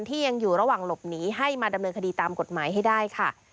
ที่ยังอยู่ระหว่างหลบหนีให้มาดำเนินคดีตามกฎหมายให้ได้ค่ะ